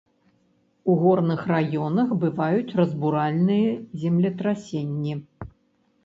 У горных раёнах бываюць разбуральныя землетрасенні.